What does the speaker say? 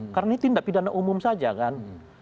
karena ini tindak pidana umum saja kan